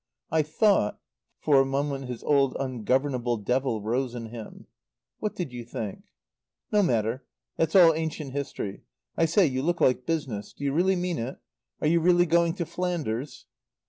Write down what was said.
"I thought " For a moment his old ungovernable devil rose in him. "What did you think?" "No matter. That's all ancient history. I say, you look like business. Do you really mean it? Are you really going to Flanders?"